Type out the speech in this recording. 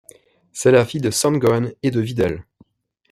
C'est la fille de Son Gohan et de Videl.